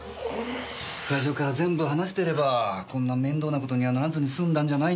最初から全部話してればこんな面倒な事にはならずに済んだんじゃないんですか？